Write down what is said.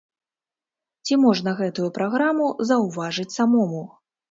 Ці можна гэтую праграму заўважыць самому?